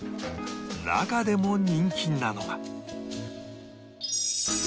中でも人気なのが